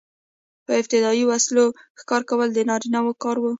په ابتدايي وسلو ښکار کول د نارینه وو کار و.